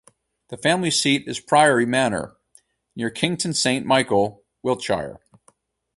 The family seat is Priory Manor, near Kington Saint Michael, Wiltshire.